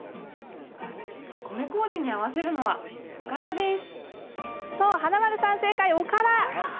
米こうじに合わせるのはおからです。